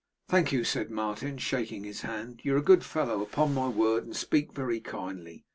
'Thank you,' said Martin, shaking his hand. 'You're a good fellow, upon my word, and speak very kindly.